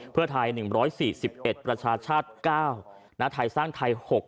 เพื่อไทยหนึ่งร้อยสี่สิบเอ็ดประชาชาติเก้านะครับไทยสร้างไทยหก